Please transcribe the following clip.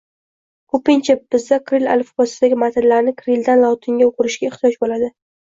Ko‘pincha bizda kirill alifbosidagi matnlarni kirilldan-lotinga o‘girishga ehtiyoj boʻladi.